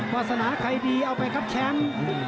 วาสนาใครดีเอาไปครับแชมป์